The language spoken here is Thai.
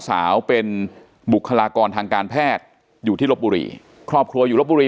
สาวเป็นบุคลากรทางการแพทย์อยู่ที่ลบบุรีครอบครัวอยู่ลบบุรี